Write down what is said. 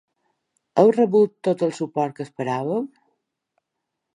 Heu rebut tot el suport que esperàveu?